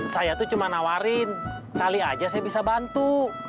saya tuh cuma nawarin tali aja saya bisa bantu